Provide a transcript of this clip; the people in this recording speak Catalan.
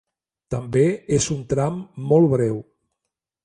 També és un tram molt breu.